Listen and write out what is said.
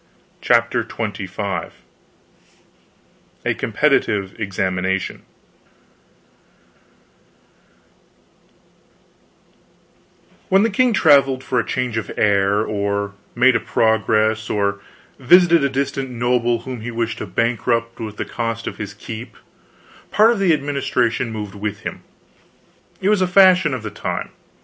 CHAPTER XXV A COMPETITIVE EXAMINATION When the king traveled for change of air, or made a progress, or visited a distant noble whom he wished to bankrupt with the cost of his keep, part of the administration moved with him. It was a fashion of the time.